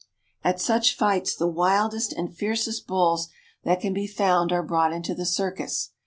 At such fights the wildest and fiercest bulls that can be found are brought into the circus.